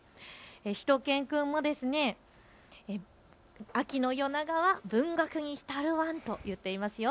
しゅと犬くんも秋の夜長は文学に浸るワンと言っていますよ。